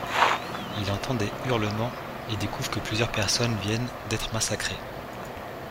Il entend des hurlements et découvre que plusieurs personnes viennent d'être massacrées.